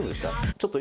ちょっと。